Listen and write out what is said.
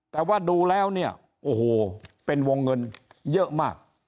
แต่ว่าดูแล้วเนี่ยโอ้โหเป็นวงเงินเยอะมาก